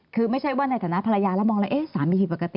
คือไม่ใช่ว่าในฐานะภรรยาแล้วมองแล้วเอ๊ะสามีผิดปกติ